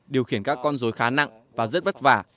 điều khiển các con dối khá nặng và rất vất vả